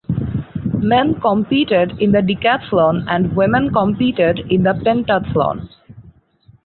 Men competed in the decathlon and women competed in the pentathlon.